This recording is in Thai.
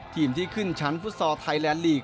ทีมที่ขึ้นชั้นฟุตซอร์ไทยละลีก